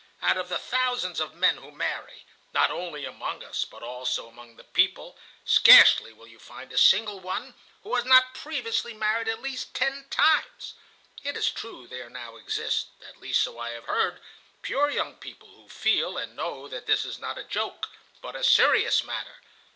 Out of the thousands of men who marry, not only among us, but also among the people, scarcely will you find a single one who has not previously married at least ten times. (It is true that there now exist, at least so I have heard, pure young people who feel and know that this is not a joke, but a serious matter.